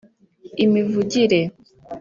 imivugire